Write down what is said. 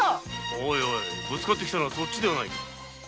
ぶつかってきたのはそっちではないか？